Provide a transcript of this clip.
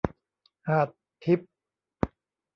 หาดทิพย์